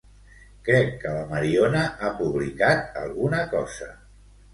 Crec que la Mariona ha publicat alguna cosa.